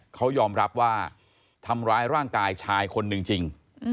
เขายอมรับว่าทำร้ายร่างกายชายคนหนึ่งจริง